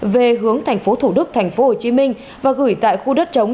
về hướng thành phố thủ đức thành phố hồ chí minh và gửi tại khu đất trống